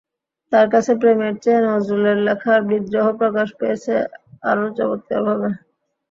তাঁর কাছে প্রেমের চেয়ে নজরুলের লেখায় বিদ্রোহ প্রকাশ পেয়েছে আরও চমৎকারভাবে।